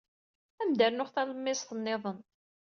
Ad am-d-rnun talemmiẓt niḍen.